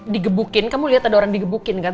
digebukin kamu lihat ada orang digebukin kan